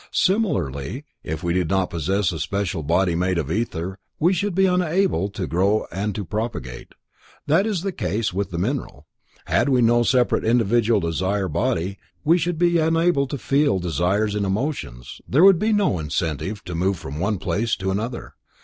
Similarly, if we did not possess a special body made of ether, we should be unable to grow and to propagate. That is the case with the mineral. Had we no separate individual desire body, we should be unable to feel desires and emotions, there would be no incentive to move from one place to another.